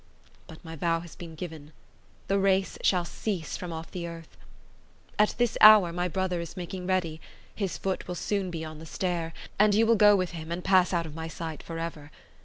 But my vow has been given; the race shall cease from off the earth. At this hour my brother is making ready; his foot will soon be on the stair; and you will go with him and pass out of my sight for ever.